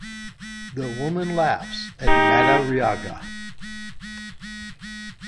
The woman laughs at Madariaga.